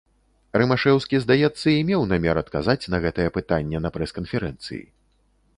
Рымашэўскі, здаецца, і меў намер адказаць на гэтае пытанне на прэс-канферэнцыі.